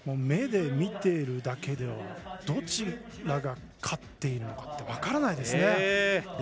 目で見てるだけではどちらが勝っているのかって分からないですね。